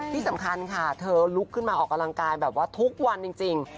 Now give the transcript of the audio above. ที่สำคัญค่ะเธอลุกขึ้นมาออกกำลังกายแบบว่าทุกวันจริง